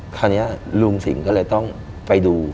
คราวนี้ลุงสิงห์ก็เลยต้องไปดู